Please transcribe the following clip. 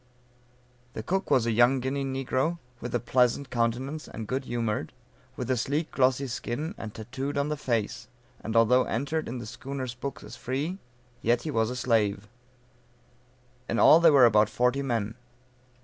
The cook was a young Guinea negro, with a pleasant countenance, and good humored, with a sleek glossy skin, and tatooed on the face; and although entered in the schooner's books as free, yet was a slave. In all there were about forty men.